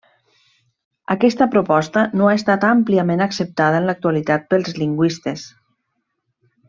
Aquesta proposta no ha estat àmpliament acceptada en l'actualitat pels lingüistes.